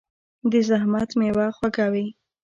د زحمت میوه خوږه وي.